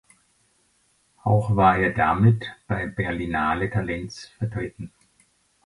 Auch war er damit bei Berlinale Talents vertreten.